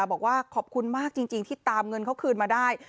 บอกว่าขอบคุณมากจริงที่ตามเงินเขาคืนมาได้